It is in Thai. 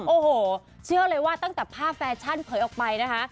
โอ้โหเชื่อเลยว่าตั้งแต่ภาพแฟชั่นเผยออกไปนะคะ